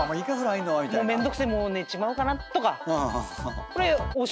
もうめんどくせえもう寝ちまおうかな？とか。